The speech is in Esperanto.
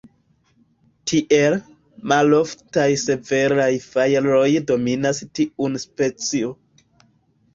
Tiel, maloftaj severaj fajroj dominas tiun specio.